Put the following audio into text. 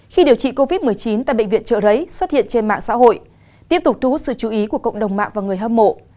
khi điều trị covid một mươi chín tại bệnh viện trợ rấy xuất hiện trên mạng xã hội tiếp tục thu hút sự chú ý của cộng đồng mạng và người hâm mộ